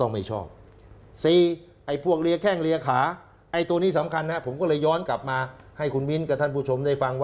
มันตรงแล้วนะมันใช้ได้ทุกยุคทุกสมัยครับ